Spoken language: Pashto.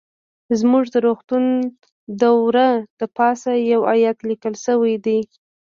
زموږ د روغتون د وره د پاسه يو ايت ليکل شوى ديه.